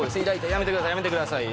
やめてください。